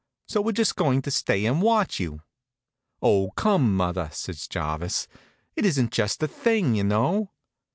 So we're just going to stay and watch you." "Oh, come, mother," says Jarvis; "it isn't just the thing, you know."